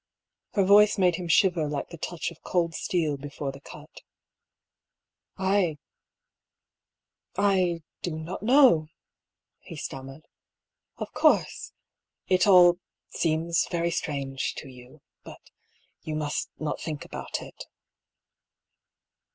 Her voice made him shiver like the touch of cold steel before the cut. " I ? I do not know," he stammered. " Of course, it all seems very strange to you. But you must not think about it."